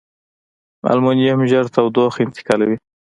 المونیم ژر تودوخه انتقالوي.